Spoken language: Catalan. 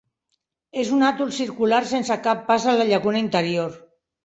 És un atol circular sense cap pas a la llacuna interior.